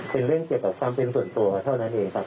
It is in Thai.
เป็นเรื่องเกี่ยวกับความเป็นส่วนตัวเท่านั้นเองครับ